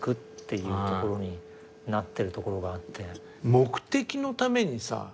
目的のためにさ